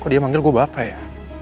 dia manggil gue bapak ya